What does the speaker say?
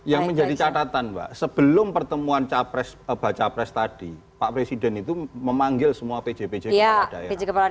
yang menjadi catatan mbak sebelum pertemuan baca pres tadi pak presiden itu memanggil semua pj pj kepala daerah